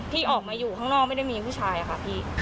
ที่ออกมาอยู่ข้างนอกไม่ได้มีผู้ชายค่ะพี่